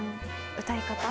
歌い方？